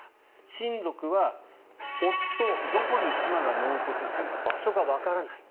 親族は夫、どこに妻が納骨したか場所がわからない。